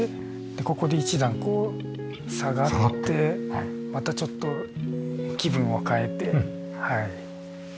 ここで１段こう下がってまたちょっと気分を変えてはい。